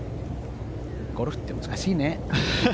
ゴルフって難しいね。